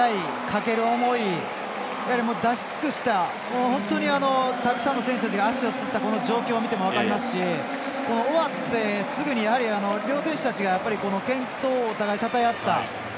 かける思い出し尽くした、本当にたくさんの選手たちが足をつった、この状況を見ても分かりますし終わってすぐに両選手たちが健闘をお互いにたたえ合った。